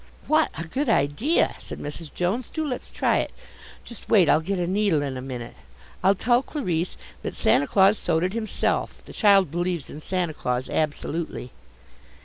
"What a good idea!" said Mrs. Jones. "Do let's try it. Just wait, I'll get a needle in a minute. I'll tell Clarisse that Santa Claus sewed it himself. The child believes in Santa Claus absolutely."